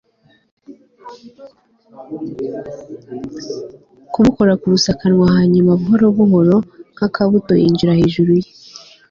kumukora ku rusakanwa, hanyuma buhoro buhoro, nk'akabuto, yinjira hejuru ye